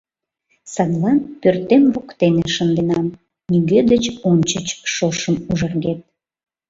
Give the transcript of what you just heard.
Садлан пӧртем воктене шынденам, Нигӧ деч ончыч шошым ужаргет